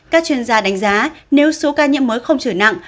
các chuyên gia đánh giá nếu số ca nhiễm mới không trở nặng